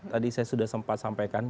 tadi saya sudah sempat sampaikan